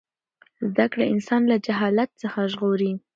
زده کړه انسان له جهالت څخه ژغوري.